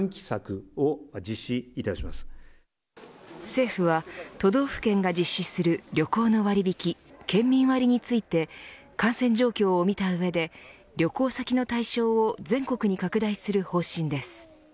政府は都道府県が実施する旅行の割引、県民割について感染状況を見た上で旅行先の対象を全国に拡大する方針です。